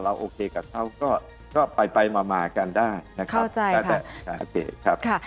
เราโอเคกับเขาก็ไปมากันได้นะครับ